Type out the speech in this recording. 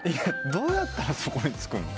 どうやったらそこにつくの？